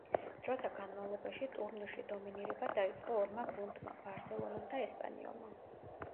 დროთა განმავლობაში ტურნირში დომინირება დაიწყო ორმა გუნდმა: „ბარსელონამ“ და „ესპანიოლმა“.